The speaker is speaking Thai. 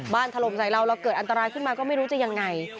บ้านถลบใส่เราเราเกิดอันตรายขึ้นมาก็ไม่รู้จะยังไง